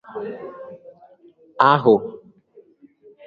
ahụ.